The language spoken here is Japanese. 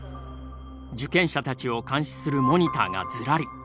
受験者たちを監視するモニターがずらり。